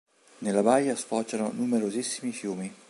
Nella baia sfociano numerosissimi fiumi.